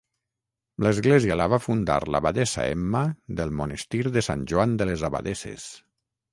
L'església la va fundar l'abadessa Emma del monestir de Sant Joan de les Abadesses.